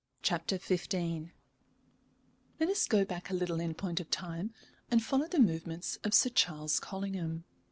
CHAPTER XV Let us go back a little in point of time, and follow the movements of Sir Charles Collingham.